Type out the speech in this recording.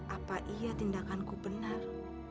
apa iya tindakanku benar